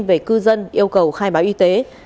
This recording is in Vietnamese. về cư dân yêu cầu khai báo y tế